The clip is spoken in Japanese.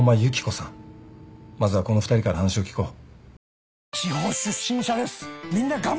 まずはこの２人から話を聞こう。